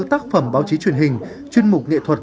tác phẩm báo chí truyền hình chuyên mục nghệ thuật